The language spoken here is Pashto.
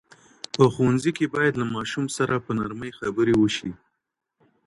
په ښوونځي کي باید له ماشوم سره په نرمۍ خبرې وسي.